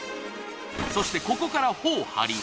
そしてここから帆を張り